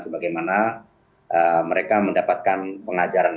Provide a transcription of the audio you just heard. sebagaimana mereka mendapatkan pengajaran